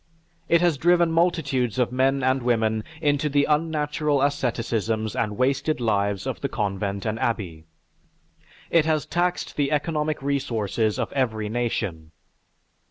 It has driven multitudes of men and women into the unnatural asceticisms and wasted lives of the convent and abbey. It has taxed the economic resources of every nation.